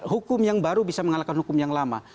hukum yang baru bisa mengalahkan hukum yang lama